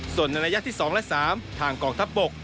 ส่วนในระยะที่๒และ๓ทางกองทัพบก